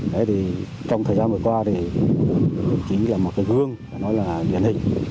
đấy thì trong thời gian vừa qua thì chính là một cái gương để nói là biển hình